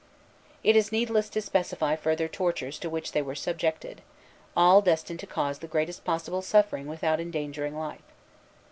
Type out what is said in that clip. It is needless to specify further the tortures to which they were subjected, all designed to cause the greatest possible suffering without endangering life.